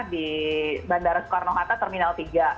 di bandara soekarno hatta terminal tiga